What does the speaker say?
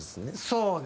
そうですね。